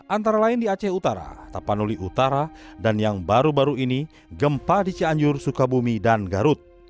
antara lain di aceh utara tapanuli utara dan yang baru baru ini gempa di cianjur sukabumi dan garut